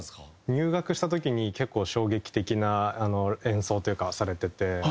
入学した時に結構衝撃的な演奏というかされてて。